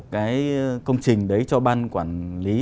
cái công trình đấy cho ban quản lý